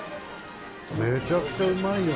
めちゃくちゃうまいよ。